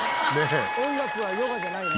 音楽はヨガじゃないね。